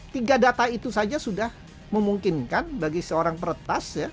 tiga data itu saja sudah memungkinkan bagi seorang peretas